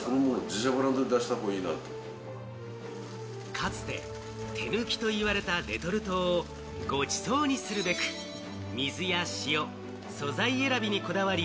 かつて、手抜きと言われたレトルトを、ごちそうにするべく、水や塩、素材選びにこだわり、